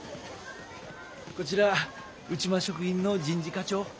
こちら内間食品の人事課長。